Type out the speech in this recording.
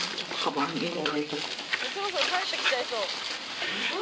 「そろそろ帰って来ちゃいそう」